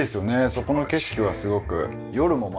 そこの景色はすごく夜もまた。